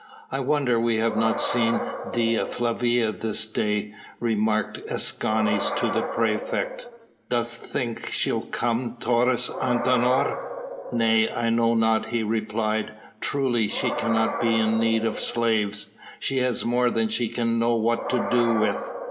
"I wonder we have not seen Dea Flavia this day," remarked Escanes to the praefect. "Dost think she'll come, Taurus Antinor?" "Nay, I know not," he replied; "truly she cannot be in need of slaves. She has more than she can know what to do with."